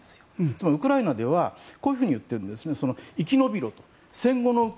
つまり、ウクライナではこういうふうに言ってるんです。